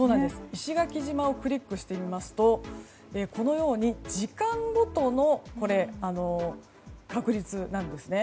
石垣島をクリックするとこのように時間ごとの確率なんですね。